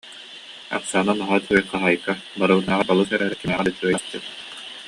Оксана наһаа үчүгэй хаһаайка, барыбытынааҕар балыс эрээри кимнээҕэр да үчүгэй асчыт